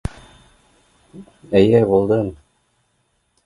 Эйе булдым